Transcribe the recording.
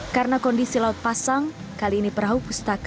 karena kondisi laut pasang kali ini perahu pustaka tidak berhenti